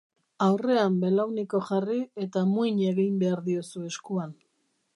Aurrean belauniko jarri eta muin egin behar diozu eskuan.